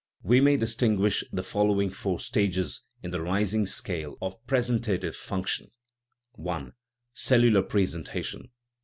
We may distinguish the following four stages in the rising scale of presentative function : I. Cellular presentation.